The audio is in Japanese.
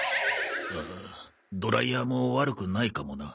ドライヤーも悪くないかもな。